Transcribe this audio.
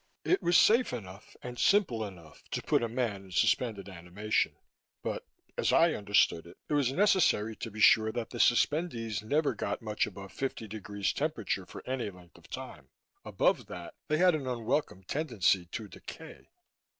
It was safe enough and simple enough to put a man in suspended animation but, as I understood it, it was necessary to be sure that the suspendees never got much above fifty degrees temperature for any length of time. Above that, they had an unwelcome tendency to decay.